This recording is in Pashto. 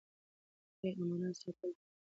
آیا امانت ساتل د خیانت مخه نیسي؟